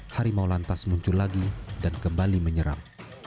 harimau lantas muncul lagi dan kembali menyerang